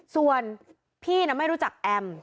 ส่วนพี่ไม่รู้จักแอม